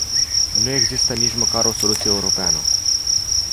Nu există nici măcar o soluție europeană.